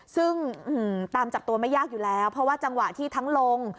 ซึ่งตามจับตัวไม่ยากอยู่แล้วเพราะว่าจังหวะที่ทั้งลง